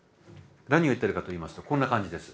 何を言ってるかといいますとこんな感じです。